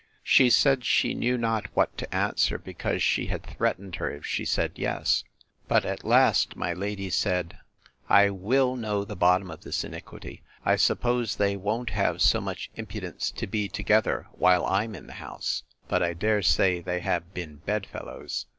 She said she knew not what to answer, because she had threatened her if she said yes. But at last my lady said, I will know the bottom of this iniquity. I suppose they won't have so much impudence to be together while I'm in the house; but I dare say they have been bed fellows.